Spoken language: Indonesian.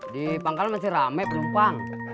di pangkalan masih rame penumpang